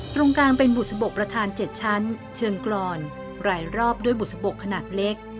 ตรงกลางเป็นบุษบกประธาน๗ชั้นเชิงกรอนรายรอบด้วยบุษบกขนาดเล็ก